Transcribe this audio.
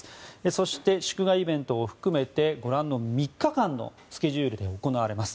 そして、祝賀イベントを含めてご覧の３日間のスケジュールで行われます。